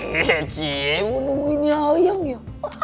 woh jeje gue nungguinnya ayang ya